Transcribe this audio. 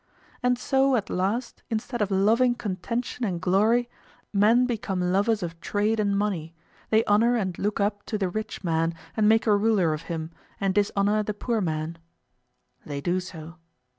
And so at last, instead of loving contention and glory, men become lovers of trade and money; they honour and look up to the rich man, and make a ruler of him, and dishonour the poor man. They do so.